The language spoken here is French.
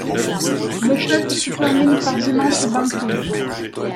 Les fêtes se terminent par d'immenses banquets.